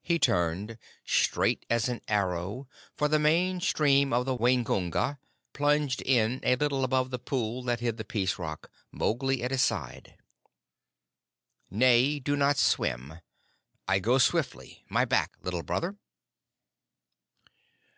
He turned, straight as an arrow, for the main stream of the Waingunga, plunging in a little above the pool that hid the Peace Rock, Mowgli at his side. "Nay, do not swim. I go swiftly. My back, Little Brother!"